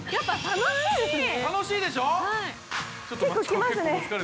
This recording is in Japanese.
楽しいですね。